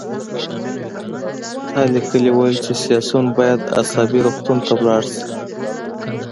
تا لیکلي وو چې سیاسیون باید عصبي روغتون ته لاړ شي